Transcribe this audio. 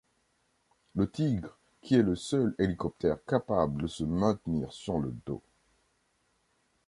Le Tigre, qui est le seul hélicoptère capable de se maintenir sur le dos.